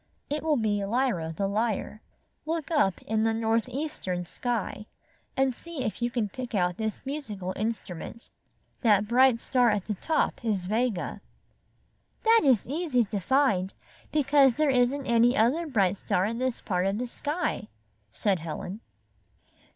It will be Lyra, the Lyre. Look up in the north eastern sky and see if you can 36 I found this on , 37 pick out this musical instrument. That bright star at the top is Vega." "That is easy to find, because there isn't any other bright star in this part of the sky," said Helen.